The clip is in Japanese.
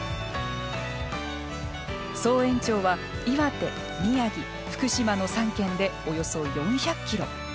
総延長は、岩手・宮城・福島の３県でおよそ４００ｋｍ。